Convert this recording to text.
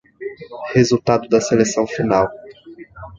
Resultado da seleção final